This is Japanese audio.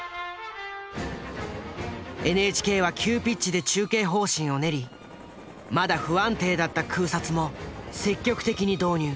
ＮＨＫは急ピッチで中継方針を練りまだ不安定だった空撮も積極的に導入。